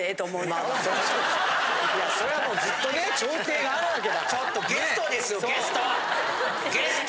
それはもうずっとね朝廷があるわけだから。